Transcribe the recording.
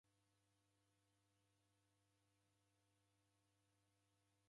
W'aw'iatala w'andu w'ikaiagha aha.